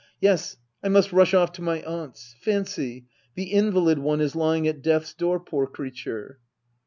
Yes, I must rush off to my aunts'. Fancy — the invalid one is lying at death's door, poor creature.